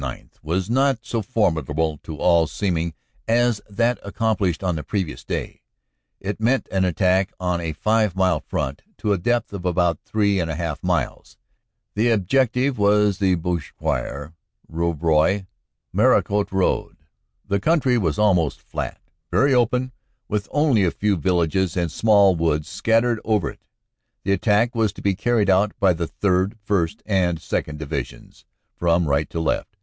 9 was not so formid able to all seeming as that accomplished on the previous day. 54 CANADA S HUNDRED DAYS It meant an attack on a five mile front to a depth of about three and a half miles. The objective was the Bouchoir Rouv roy Meharicourt road. The country was almost flat, very open, with only a few villages and small woods scattered over it. The attack was to be carried out by the 3rd., 1st., and 2nd. Divisions from right to left.